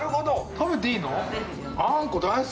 食べていいの？